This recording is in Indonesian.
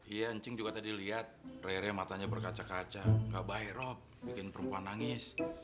iya ancing juga tadi liat rere matanya berkaca kaca gak baik rob bikin perempuan nangis